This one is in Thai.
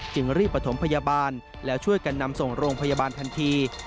จึงรีบประถมพยาบาลแล้วช่วยกันนำส่งโรงพยาบาลทันที